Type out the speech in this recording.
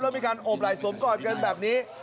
แล้วมีการโอบไหล่สวมกอดกันแบบนี้